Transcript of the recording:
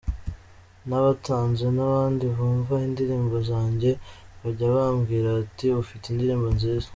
N’abatanzi n’abandi bumva indirimbo zanjye bajya bambwira bati ufite indirimbo nziza.